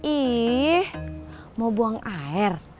ih mau buang air